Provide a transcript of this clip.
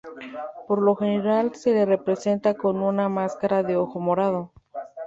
Por lo general, se le representa con una máscara de ojo morado.